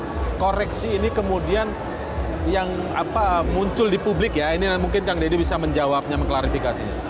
jadi koreksi ini kemudian yang muncul di publik ya ini mungkin kang deddy bisa menjawabnya mengklarifikasinya